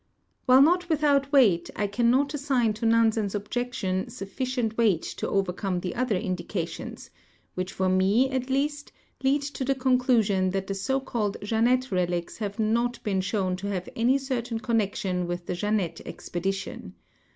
W'hile not without weight, I cannot assign to Nansen's objection sufficient weight to overcome the other in dications, which f(jr me, at least, lead to the conclusion that the so called Jeannette relics have not l)een shown to have any certain connection with the Jeannette expedition.